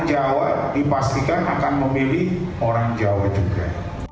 jawa dipastikan akan memilih orang jawa juga